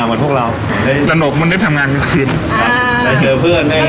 เหมือนพวกเราตลกมันได้ทำงานกลางคืนไปเจอเพื่อน